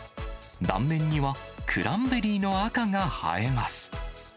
断面にはクランベリーの赤が映えます。